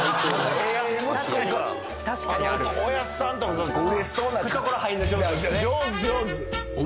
確かにあるおやっさんとかがうれしそうな懐入んの上手なんですね